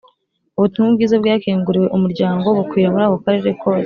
ubutumwa bwiza bwakinguriwe umuryango bukwira muri ako karere kose